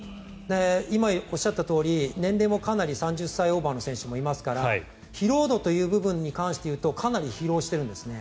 今、おっしゃったとおり年齢も３０歳オーバーの選手もいますから疲労度という部分に関していうとかなり疲労しているんですね。